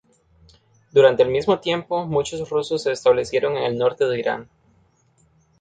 Durante el mismo tiempo, muchos rusos se establecieron en el norte de Irán.